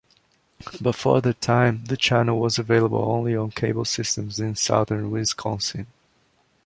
Before that time, the channel was available only on cable systems in southern Wisconsin.